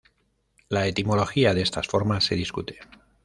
La etimología de estas formas se discute.